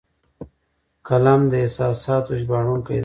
قلم د احساساتو ژباړونکی دی